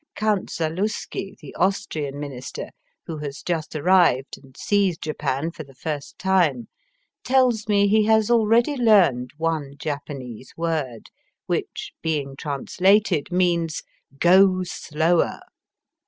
Count Zalusky, the Austrian Minister, who has just arrived and sees Japan for the first time, teUs me he has already learned one Japanese word, which being translated means go slower."